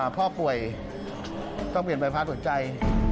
พ่อป่วยต้องเปลี่ยนใบพัดหัวใจ